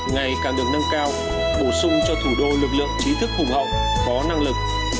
ngày càng được nâng cao bổ sung cho thủ đô lực lượng trí thức hùng hậu có năng lực